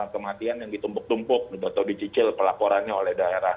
banyak angka kematian yang ditumpuk tumpuk atau dicicil pelaporannya oleh daerah